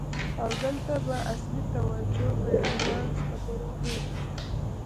او دلته به اصلی توجه په آډوانس خبرو وی.